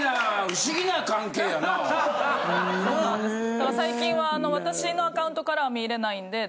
だから最近は私のアカウントからは見れないんで。